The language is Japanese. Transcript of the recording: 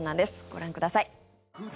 ご覧ください。